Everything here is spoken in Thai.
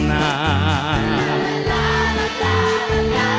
ลาลาลาลาลาลาลาลา